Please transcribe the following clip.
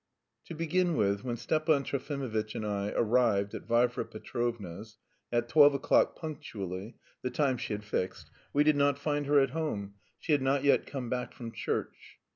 To begin with, when Stepan Trofimovitch and I arrived at Varvara Petrovna's at twelve o'clock punctually, the time she had fixed, we did not find her at home; she had not yet come back from church.